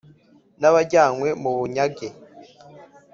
n abajyanywe mu bunyage